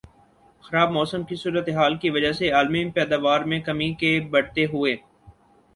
خراب موسم کی صورتحال کی وجہ سے عالمی پیداوار میں کمی کے بڑھتے ہوئے